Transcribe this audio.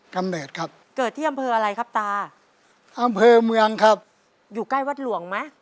ำเนิดครับเกิดที่อำเภออะไรครับตาอำเภอเมืองครับอยู่ใกล้วัดหลวงไหม